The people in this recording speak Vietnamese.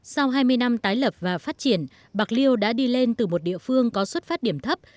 sau hai mươi năm tái lập và phát triển bạc liêu đã đi lên từ một địa phương có xuất phát điểm thấp